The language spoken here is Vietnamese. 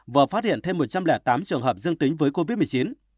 vừa phát hiện thêm một trăm linh tám trường hợp dương tính với covid một mươi chín